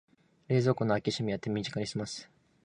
冷蔵庫の開け閉めは手短にすます